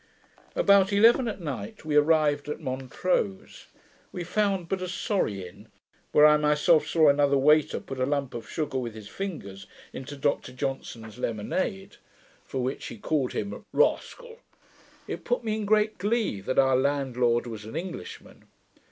About eleven at night we arrived at Montrose. We found but a sorry inn, where I myself saw another waiter put a lump of sugar with his fingers into Dr Johnson's lemonade, for which he called him 'Rascal!' It put me in great glee that our landlord was an Englishman.